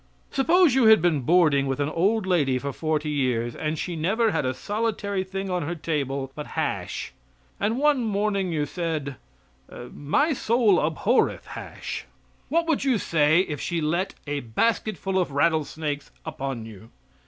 Suppose you had been boarding with an old lady for forty years, and she never had a solitary thing on her table but hash, and one morning you said: "My soul abhorreth hash!" What would you say if she let a basketful of rattlesnakes upon you?